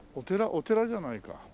お寺じゃないか。